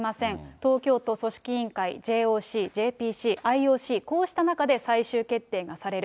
東京都、組織委員会、ＪＯＣ、ＪＰＣ、ＩＯＣ、こうした中で最終決定がされる。